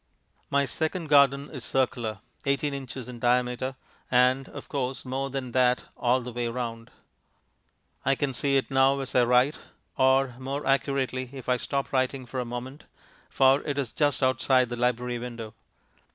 My second garden is circular 18 ins. in diameter, and, of course, more than that all the way round. I can see it now as I write or, more accurately, if I stop writing for a moment for it is just outside the library window.